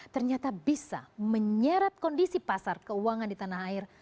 ternyata bisa menyerap kondisi pasar keuangan di tanah air